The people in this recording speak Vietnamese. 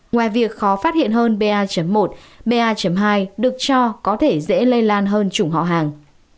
ngoài việc khó phát hiện hơn ba một ba hai được cho có thể dễ lây lan hơn chủng họ hàng